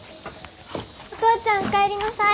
お父ちゃんお帰りなさい！